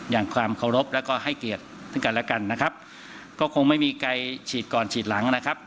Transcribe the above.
อย่างความเคารพแล้วก็ให้เกียรติซึ่งกันและกันนะครับก็คงไม่มีใครฉีดก่อนฉีดหลังนะครับ